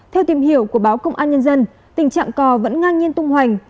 theo tìm hiểu của báo công an nhân dân tình trạng cò vẫn ngang nhiên tung hoành